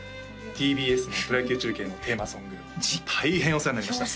ＴＢＳのプロ野球中継のテーマソング大変お世話になりました